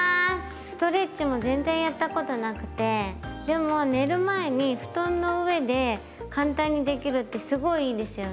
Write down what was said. ストレッチも全然やったことなくてでも寝る前に布団の上で簡単にできるってすごいいいですよね。